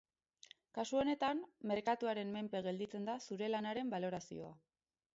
Kasu honetan, merkatuaren menpe gelditzen da zure lanaren balorazioa.